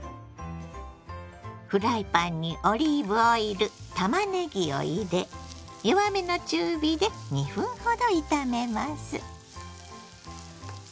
フライパンにオリーブオイルたまねぎを入れ弱めの中火で２分ほど炒めます。